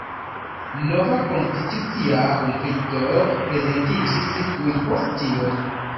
Nova konstitucia konflikto prezentiĝis tuj post tio.